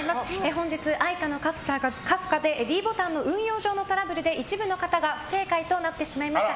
本日、愛花のカフカでｄボタンの運用上のトラブルで一部の方が不正解となってしまいました。